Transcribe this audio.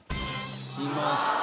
きました。